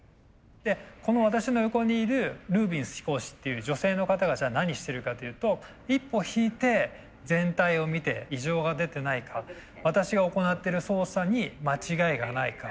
でこの私の横にいるルービンス飛行士っていう女性の方がじゃあ何してるかというと一歩引いて全体を見て異常が出てないか私が行ってる操作に間違いがないか。